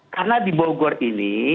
karena di bogor ini